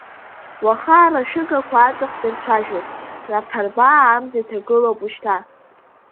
Уаха арашәыгақәа аҵых дырцәажәоит, раԥарбаа амза иҭагылоуп ушьҭа.